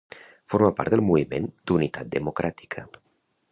Formà part del Moviment d'Unitat Democràtica.